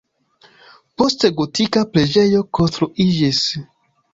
Poste gotika preĝejo konstruiĝis.